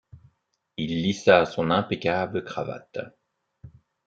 Il lissa son impeccable cravate.